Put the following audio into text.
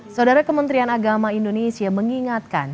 saudara kementerian agama indonesia mengingatkan